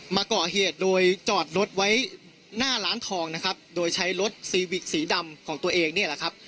มาก่อเหตุโดยจอดรถไว้หน้าร้านทองนะครับโดยใช้รถซีวิกสีดำของตัวเองเนี่ยแหละครับ